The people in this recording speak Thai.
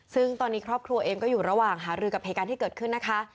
ซึ่งตอนนี้ครอบครัวเองก็อยู่ระหว่างหารือกับเหตุการณ์ที่เกิดขึ้นนะคะ